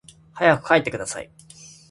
早く帰ってください